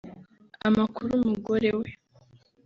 Amakuru Umugore we